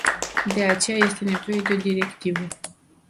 De aceea, este nevoie de o directivă.